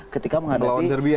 ketika menghadapi serbia